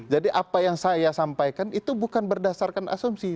jadi apa yang saya sampaikan itu bukan berdasarkan asumsi